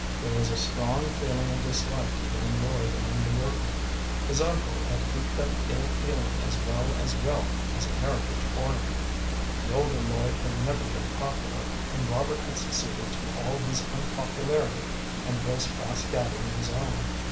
There was a strong feeling of dislike to young Lloyd among the workmen. His uncle had heaped up ill feeling as well as wealth as a heritage for him. The older Lloyd had never been popular, and Robert had succeeded to all his unpopularity, and was fast gathering his own.